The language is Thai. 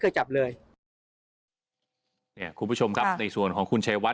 โดยเฉพาะผมเนี่ย